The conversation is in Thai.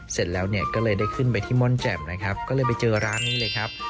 เสร็จแล้วเนี่ยก็เลยได้ขึ้นไปที่ม่อนแจ่มนะครับก็เลยไปเจอร้านนี้เลยครับ